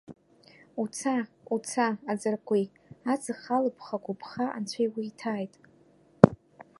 Уца, уца, аӡыркәи, аҵых алԥха-агәыԥха анцәа иуиҭааит!